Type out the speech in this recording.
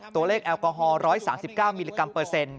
แอลกอฮอล๑๓๙มิลลิกรัมเปอร์เซ็นต์